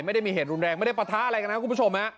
ไม่ได้มีเหตุรุนแรงไม่ได้ปะทะอะไรกันนะคุณผู้ชม